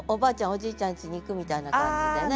おじいちゃんちに行くみたいな感じでね。